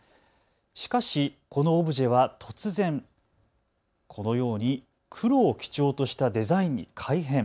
しかしこのオブジェは突然、このように黒を基調としたデザインに改変。